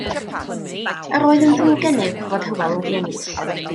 Yr oedd yn ddrwg gennyf fod Hywel wedi ennill.